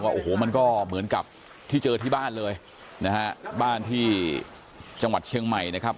โอ้โหมันก็เหมือนกับที่เจอที่บ้านเลยนะฮะบ้านที่จังหวัดเชียงใหม่นะครับ